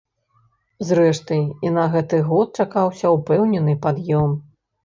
Зрэшты, і на гэты год чакаўся ўпэўнены пад'ём.